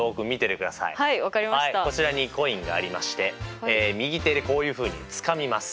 はいこちらにコインがありまして右手でこういうふうにつかみます。